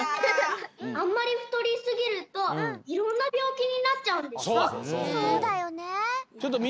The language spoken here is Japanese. あんまり太りすぎるといろんなびょうきになっちゃうんでしょ。